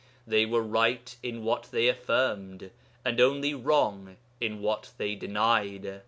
They were right in what they affirmed, and only wrong in what they denied.